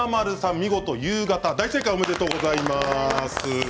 見事、夕方大正解おめでとうございます。